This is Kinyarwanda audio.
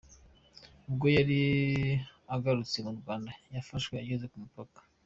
Ubwo yari agarutse mu Rwanda, yafashwe ageze ku mupaka.